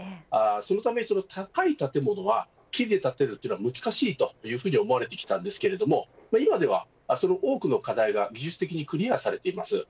そのため高い建物は木で建てるというのは難しいと思われてきたんですけども今では、その多くの課題が技術的にクリアされています。